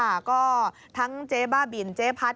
ค่ะก็ทั้งเจ๊บ้าบินเจ๊พัด